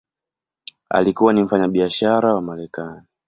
Alikuwa ni mfanyabiashara wa Marekani.